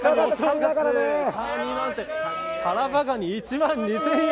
タラバガニ、１万２０００円。